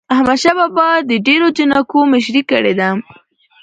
احمد شاه بابا د ډیرو جنګونو مشري کړې ده.